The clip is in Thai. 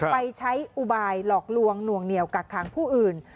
ไปใช้อุบายหลอกลวงหน่วงเหนียวกักขังผู้อื่น